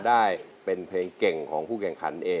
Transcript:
ดาวร้าย